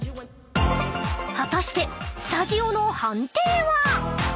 ［果たしてスタジオの判定は？］